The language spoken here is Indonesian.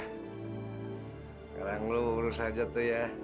sekarang lo urus aja tuh ya